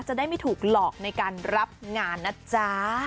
จะได้ไม่ถูกหลอกในการรับงานนะจ๊ะ